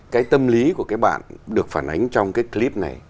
cái tâm lý của các bạn được phản ánh trong cái clip này